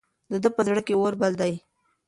د ده په زړه کې اور بل دی.